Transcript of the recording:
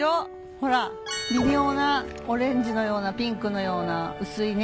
微妙なオレンジのようなピンクのような薄いね。